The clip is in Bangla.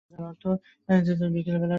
যার অর্থ বিকেল বেলার ফুল।